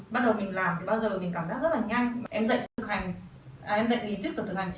bắt đầu mình làm thì bao giờ mình cảm giác rất là nhanh